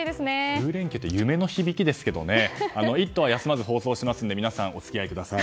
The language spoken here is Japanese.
９連休って夢の響きですが「イット！」は休まず放送しますので皆さんお付き合いください。